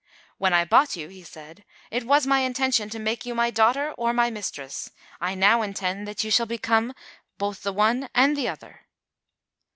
"When I bought you," he said, "it was my intention to make you my daughter or my mistress. I now intend that you shall become both the one and the other."